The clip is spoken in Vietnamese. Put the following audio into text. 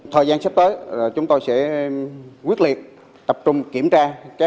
thời gian sắp tới chúng tôi sẽ quyết liệt tập trung kiểm tra